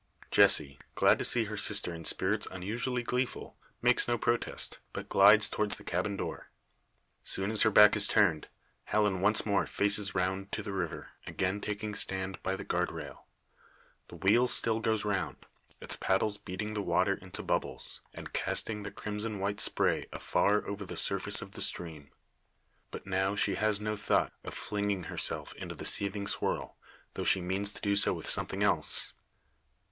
Jessie, glad to see her sister in spirits unusually gleeful, makes no protest, but glides towards the cabin door. Soon as her back is turned, Helen once more faces round to the river, again taking stand by the guard rail. The wheel still goes round, its paddles beating the water into bubbles, and casting the crimson white spray afar over the surface of the stream. But now, she has no thought of flinging herself into the seething swirl, though she means to do so with something else.